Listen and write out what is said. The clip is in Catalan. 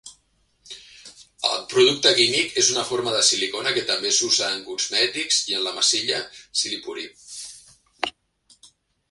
El producte químic és una forma de silicona que també s'usa en cosmètics i en la massilla Silly Putty.